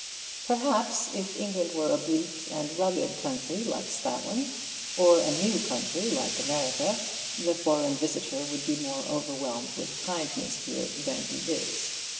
Perhaps if England were a bleak and rugged country, like Scotland, or a new country, like America, the foreign visitor would be more overwhelmed with kindness here than he is.